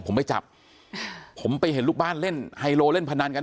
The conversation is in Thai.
ผมไปจับผมไปเห็นลูกบ้านเล่นไฮโลเล่นพนันกัน